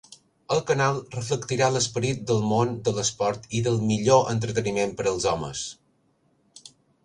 El canal reflectirà l'esperit del món de l'esport i del millor entreteniment per als homes.